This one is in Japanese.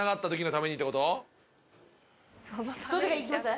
どれいきます？